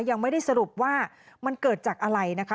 ยังไม่ได้สรุปว่ามันเกิดจากอะไรนะคะ